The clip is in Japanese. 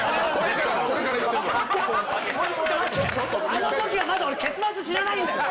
あのときはまだ俺結末知らないんだよ。